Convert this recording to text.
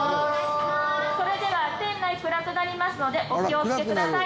それでは店内暗くなりますのでお気をつけください。